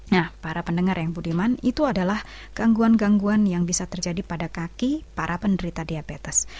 nah para pendengar ya budiman itu adalah gangguan gangguan yang bisa terjadi pada kaki para penderita diabetes